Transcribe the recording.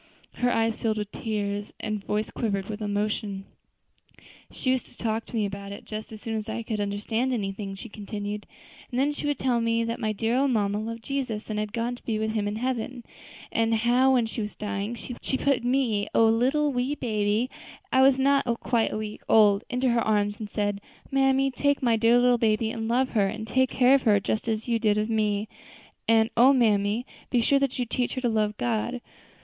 Her eyes filled with tears and her voice quivered with emotion. "She used to talk to me about it just as soon as I could understand anything," she continued; "and then she would tell me that my own dear mamma loved Jesus, and had gone to be with Him in heaven; and how, when she was dying, she put me a little, wee baby, I was then not quite a week old into her arms, and said, 'Mammy, take my dear little baby and love her, and take care of her just as you did of me; and O mammy! be sure that you teach her to love God.'